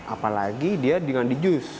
apalagi dia dengan dijus